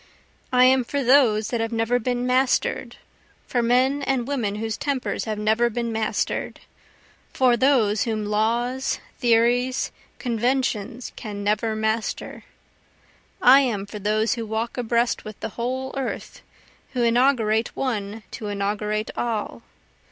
I am for those that have never been master'd, For men and women whose tempers have never been master'd, For those whom laws, theories, conventions, can never master. I am for those who walk abreast with the whole earth, Who inaugurate one to inaugurate all.